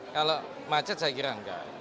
kalau macet saya kira enggak